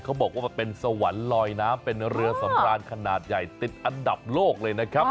เขาบอกว่ามันเป็นสวรรค์ลอยน้ำเป็นเรือสำราญขนาดใหญ่ติดอันดับโลกเลยนะครับ